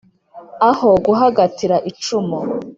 aho guhagatira icumu